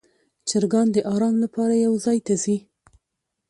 چرګان د آرام لپاره یو ځای ته ځي.